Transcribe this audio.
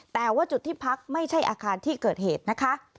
แต่ว่าจุดที่พักไม่ใช่อาคารที่เกิดเหตุนะคะ